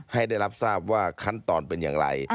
ให้ได้รับทราบว่าขั้นตอนเป็นอย่างไร